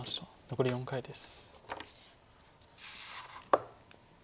残り４回です。